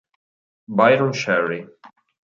Byron Cherry